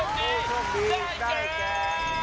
ผู้โชคดี้ได้แค่